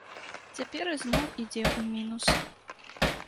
Цяпер зноў ідзе ў мінус.